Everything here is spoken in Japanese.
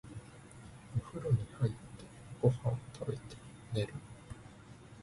お風呂に入って、ご飯を食べて、寝る。